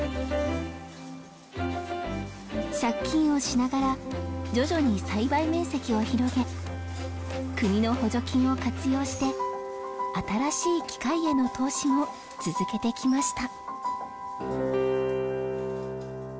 借金をしながら徐々に栽培面積を広げ国の補助金を活用して新しい機械への投資も続けてきました。